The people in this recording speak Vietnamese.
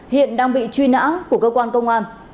hiện đang bị truy nã của cơ quan công an